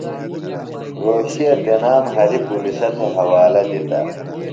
رھوشے تنام ہریۡ پُلِسہ تھےۡ حوالہ دِتہ۔